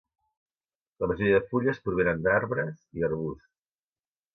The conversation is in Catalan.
La majoria de fulles provenen d'arbres i arbusts.